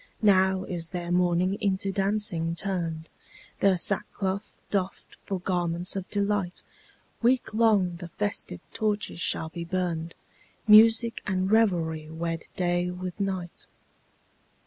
Now is their mourning into dancing turned, Their sackcloth doffed for garments of delight, Week long the festive torches shall be burned, Music and revelry wed day with night.